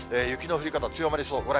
雪の降り方、強まりそう。